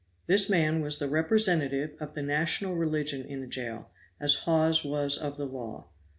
This man was the representative of the national religion in the jail, as Hawes was of the law.